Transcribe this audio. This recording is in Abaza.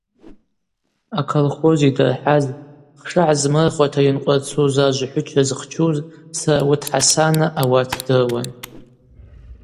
Аколхоз йдырхӏаз, хша гӏазмырхуата йынкъвырцуз ажв хӏвыча зхчуз Сарауыт Хӏасана ауат дрыуан.